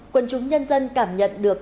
quân chúng nhân dân cảm nhận được